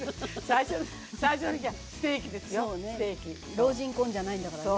老人婚じゃないんだからね。